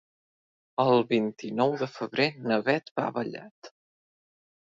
El vint-i-nou de febrer na Beth va a Vallat.